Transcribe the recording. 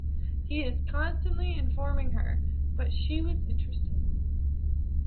He was constantly informing her, but she was interested.